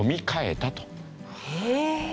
へえ！